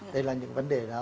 đây là những vấn đề đó